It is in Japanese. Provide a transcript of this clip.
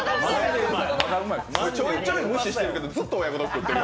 ちょいちょい無視してるけど、ずっと親子丼食ってる。